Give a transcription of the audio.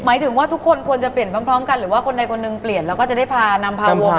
หมายถึงว่าทุกคนควรจะเปลี่ยนพร้อมกันหรือว่าคนใดคนหนึ่งเปลี่ยนแล้วก็จะได้พานำพาวง